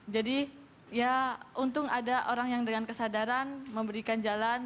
jadi ya untung ada orang yang dengan kesadaran memberikan jalan